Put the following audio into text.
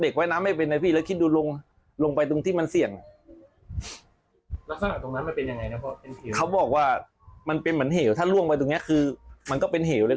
เขาบอกว่ามันเป็นเหวถ้าร่วงไปตรงนี้คือมันก็เป็นเหวเลย